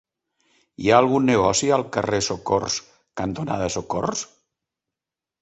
Hi ha algun negoci al carrer Socors cantonada Socors?